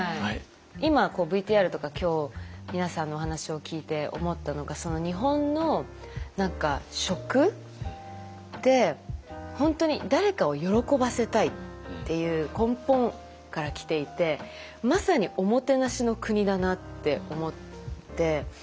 今ＶＴＲとか今日皆さんのお話を聞いて思ったのが日本の食って本当に誰かを喜ばせたいっていう根本から来ていてまさにおもてなしの国だなって思って。